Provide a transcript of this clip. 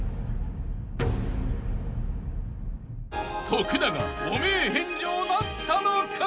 ［徳永汚名返上なったのか］